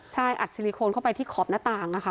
ใช่อัดซิลิโคนเข้าไปที่ขอบหน้าต่าง